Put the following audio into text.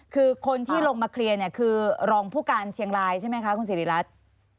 คือคนที่ลงมาเคลียร์เนี่ยคือรองผู้การเชียงรายใช่ไหมคะคุณสิริรัตน์